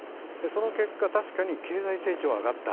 その結果、確かに経済成長は上がった。